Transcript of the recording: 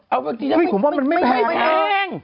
เออเอาจริงมันไม่แพง